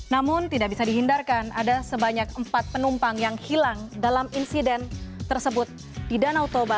namun tidak bisa dihindarkan ada sebanyak empat penumpang yang hilang dalam insiden tersebut di danau toba